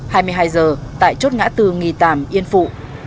hai mươi hai h tại chốt ngã tư nghì tàm yên phụ